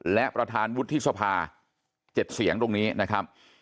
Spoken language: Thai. และประธานวุฒิสภา๗เสียงตรงนี้นะครับ